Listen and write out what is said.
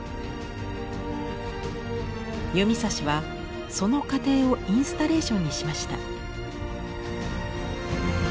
弓指はその過程をインスタレーションにしました。